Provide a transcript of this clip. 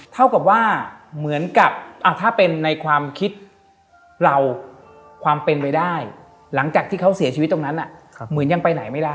เจอเป็นคนเดินอยู่